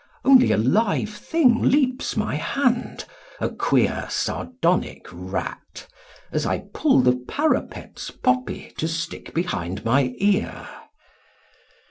Only a live thing leaps my hand â A queer sardonic rat â As I pull the parapet's poppy To stick behind my ear.